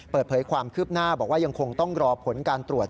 เปิดเผยความคืบหน้าบอกว่ายังคงต้องรอผลการตรวจ